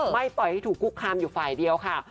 ไม่ปล่อยให้ถูกคุกคามอยู่ฝ่ายเดียวค่ะ